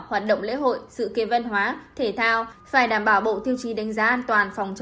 hoạt động lễ hội sự kiện văn hóa thể thao phải đảm bảo bộ tiêu chí đánh giá an toàn phòng